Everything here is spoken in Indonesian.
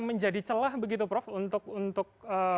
menjadi celah begitu prof untuk